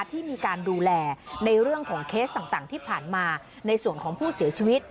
ที่มีการดูแลในเรื่องของเคสต่างที่ผ่านมาในส่วนของผู้เสียชีวิต